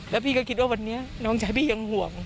แล้วพี่ก็คิดว่าวันนี้น้องชายพี่ยังห่วง